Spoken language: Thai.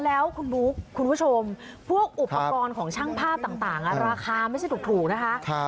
แล้วคุณบุ๊คคุณผู้ชมพวกอุปกรณ์ของช่างภาพต่างราคาไม่ใช่ถูกนะคะ